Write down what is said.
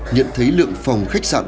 nhận thấy lượng phòng khách sạn